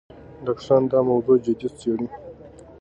ډاکټران دا موضوع جدي څېړي.